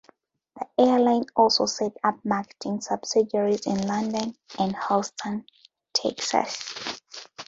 The airline also set up marketing subsidiaries in London and Houston, Texas.